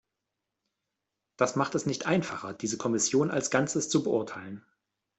Das macht es nicht einfacher, diese Kommission als Ganzes zu beurteilen.